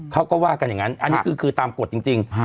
เขาก็ว่ากันอย่างนั้นอันนี้คือตามกฎจริง